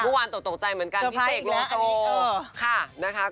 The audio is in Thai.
วันวานตกใจเหมือนกันพิเศษโลโซสะพายอีกแล้วอันนี้เออ